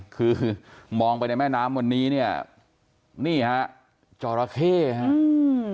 คือมองไปในแม่น้ำวันนี้เนี่ยนี่ฮะจอราเข้ฮะอืม